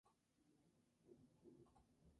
Es amiga de la actriz estadounidense Bridget Regan.